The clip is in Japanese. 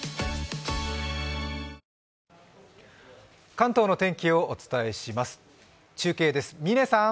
関東の天気をお伝えします。